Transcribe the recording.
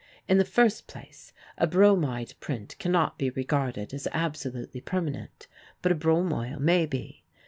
In the first place, a bromide print cannot be regarded as absolutely permanent, but a bromoil may be.